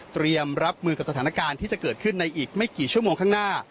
เตรียมรับมือกับสถานการณ์ที่จะเกิดขึ้นในอีกไม่กี่ชั่วโมงข้างหน้า